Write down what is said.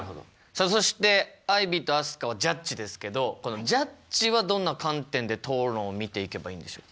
さあそしてアイビーと飛鳥はジャッジですけどこのジャッジはどんな観点で討論を見ていけばいいんでしょうか？